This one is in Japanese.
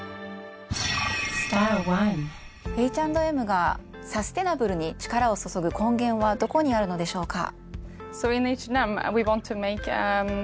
Ｈ＆Ｍがサステナブルに力を注ぐ根源はどこにあるのでしょうか？